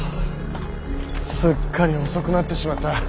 すっかり遅くなってしまった。